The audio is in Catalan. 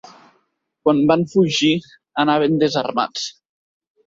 Quan van fugir, anaven desarmats.